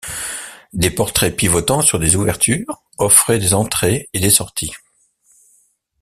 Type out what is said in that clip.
Des portraits pivotant sur des ouvertures offraient des entrées et des sorties.